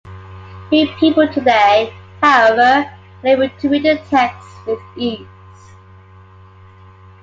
Few people today, however, are able to read the text with ease.